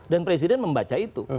dan presiden membaca itu